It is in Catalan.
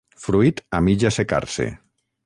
Fruit a mig assecar-se.